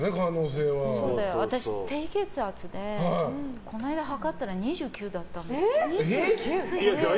私、低血圧でこの間測ったら２９だったの。